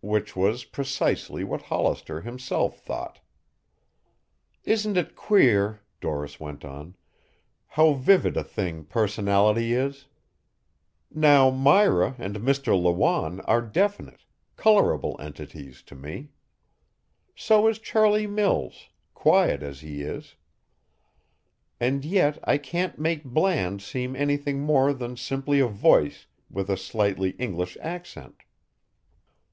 Which was precisely what Hollister himself thought. "Isn't it queer," Doris went on, "how vivid a thing personality is? Now Myra and Mr. Lawanne are definite, colorable entities to me. So is Charlie Mills, quiet as he is. And yet I can't make Bland seem anything more than simply a voice with a slightly English accent."